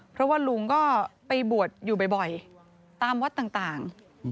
เพราะว่าลุงก็ไปบวชอยู่บ่อยตามวัดต่าง